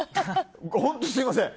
本当、すみません。